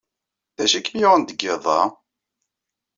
D acu ay kem-yuɣen deg yiḍ-a?